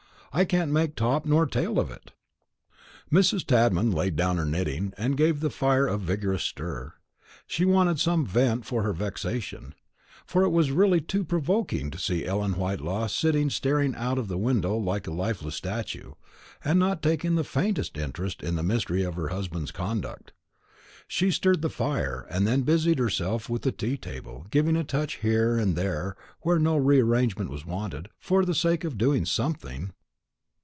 I can't make top nor tail of it." Mrs. Tadman laid down her knitting, and gave the fire a vigorous stir. She wanted some vent for her vexation; for it was really too provoking to see Ellen Whitelaw sitting staring out of the window like a lifeless statue, and not taking the faintest interest in the mystery of her husband's conduct. She stirred the fire, and then busied herself with the tea table, giving a touch here and there where no re arrangement was wanted, for the sake of doing something.